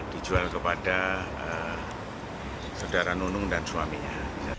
dijual kepada saudara nunung dan suaminya